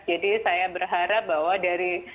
jadi saya berharap bahwa dari